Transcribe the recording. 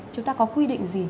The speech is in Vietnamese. chúng ta có quy định là